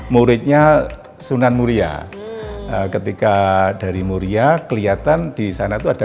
muridnya sunan muria ketika dari muria kelihatan di sana tuh ada